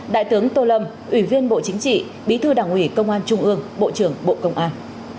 đại tướng tô lâm ủy viên bộ chính trị bí thư đảng ủy công an trung ương bộ trưởng bộ công an